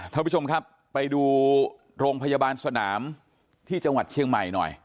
ท่านผู้ชมครับไปดูโรงพยาบาลสนามที่จังหวัดเชียงใหม่หน่อย